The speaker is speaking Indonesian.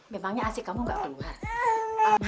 memangnya asik kamu gak keluar